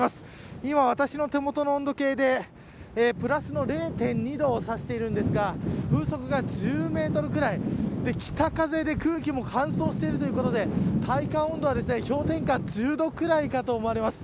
今、私の温度計でプラスの０．２度をさしているんですが風速が１０メートルくらい北風で空気も乾燥しているということで体感温度は氷点下１０度くらいかと思われます。